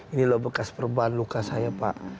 ini lo bekas perban luka saya pak